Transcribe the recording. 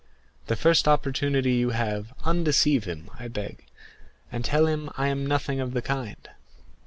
The first opportunity you have, undeceive him, I beg, and tell him I am nothing of the kind."